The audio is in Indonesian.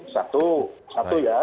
satu satu ya